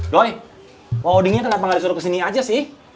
doi mau odengnya kenapa gak disuruh kesini aja sih